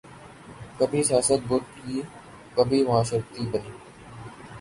کبھی سیاسی بت اور کبھی معاشرتی بت